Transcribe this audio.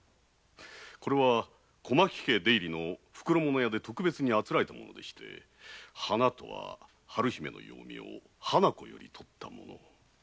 これは小牧家出入りの袋物屋で特別に誂えた物で「花」とは春姫の幼名花子よりとったもの。